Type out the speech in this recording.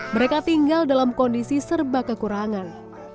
mereka tinggal dalam kondisi serba kekurangan